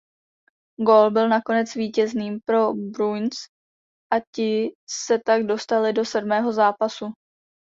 Gól byl nakonec vítězným pro Bruins a ti se tak dostali do sedmého zápasu.